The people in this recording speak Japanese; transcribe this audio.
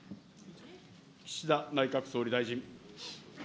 岸田内閣総理大臣。